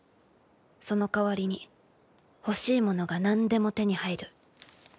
その代わりに欲しいものが何でも手に入る。